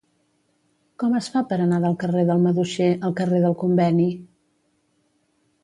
Com es fa per anar del carrer del Maduixer al carrer del Conveni?